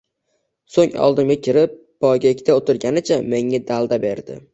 So`ng oldimga kirib, poygakda o`tirganicha menga dalda berdi